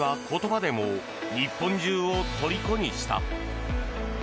大谷は言葉でも日本中をとりこにした。